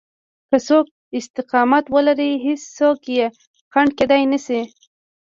که څوک استقامت ولري هېڅوک يې خنډ کېدای نشي.